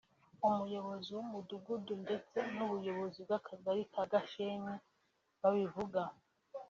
umuyobozi w’umudugudu ndetse n’ubuyobozi bw’Akagari ka Gashenyi babivuga